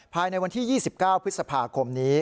ภายในวันที่๒๙พศพนี้